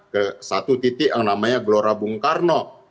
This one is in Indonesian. ke satu titik yang namanya gelora bung karno